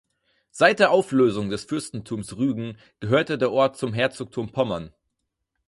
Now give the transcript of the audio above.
Seit der Auflösung des Fürstentums Rügen gehörte der Ort zum Herzogtum Pommern.